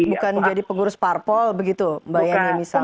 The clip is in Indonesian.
bukan jadi pengurus parpol begitu mbak yani misalnya